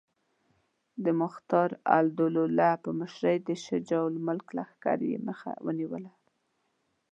د مختارالدوله په مشرۍ د شجاع الملک لښکر یې مخه ونیوله.